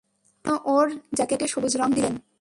কেন ওর জ্যাকেটে সবুজ রং দিলেন?